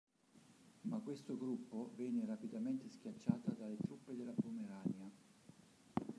Ma questo gruppo venne rapidamente schiacciata dalle truppe della Pomerania.